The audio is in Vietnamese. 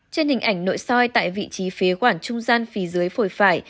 trên hình ảnh nội soi tại vị trí phế quản trung gian phía dưới phổi phải